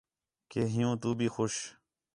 کہ حِیّوں تُو بھی خوش